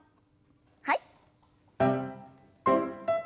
はい。